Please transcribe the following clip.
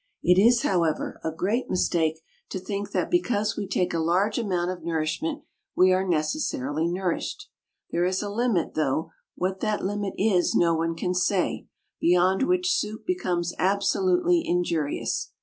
It is, however, a great mistake to think that because we take a large amount of nourishment we are necessarily nourished. There is a limit, though what that limit is no one can say, beyond which soup becomes absolutely injurious.